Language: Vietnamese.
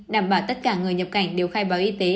đảm bảo tất cả người nhập cảnh đều khai báo y tế